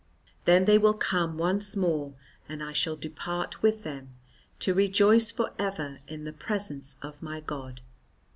Then they will come once more and I shall depart with them to rejoice for ever in the presence of my God."